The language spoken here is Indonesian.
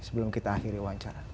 sebelum kita akhiri wawancara